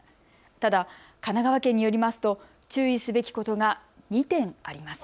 ただ神奈川県によりますと注意すべきことが２点あります。